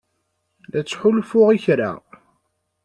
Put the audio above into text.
La ttḥulfuɣ i kra.